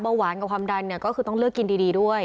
หวานกับความดันเนี่ยก็คือต้องเลือกกินดีด้วย